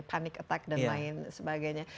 panic attack dan lain sebagainya